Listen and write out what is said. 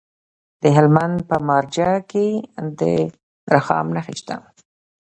د هلمند په مارجه کې د رخام نښې شته.